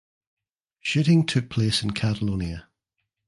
Shooting took place in Catalonia.